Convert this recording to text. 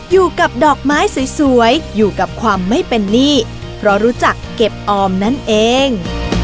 อยู่กับดอกไม้สวยอยู่กับความไม่เป็นหนี้เพราะรู้จักเก็บออมนั่นเอง